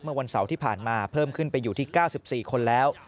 เมื่อวันเสาร์ที่ผ่านมาเพิ่มขึ้นไปอยู่ที่๙๔คนแล้ว